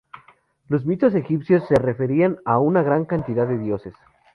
Los mitos egipcios se referían a una gran cantidad de dioses.